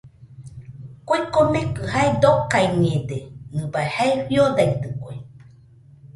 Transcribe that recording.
Kue komekɨ jae dokaiñede, nɨbai jae fiodaitɨkue.